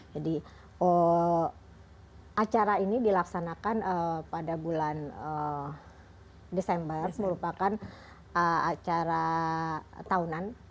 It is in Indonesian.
jadi acara ini dilaksanakan pada bulan desember merupakan acara tahunan